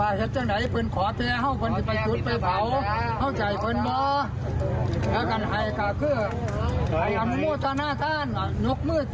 รักษณะกับเอราธิสุภาพไฮกัลสามารถการงบสาธุภาพกันครับ